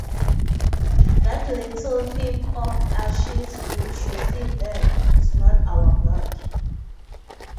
That little heap of ashes which you see there is not our god.